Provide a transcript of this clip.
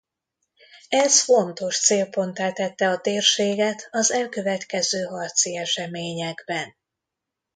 Ez fontos célponttá tette a térséget az elkövetkező harci eseményekben.